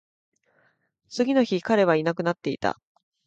次の日、彼はいなくなっていた